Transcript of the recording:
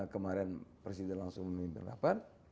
kemaren presiden langsung menundang apa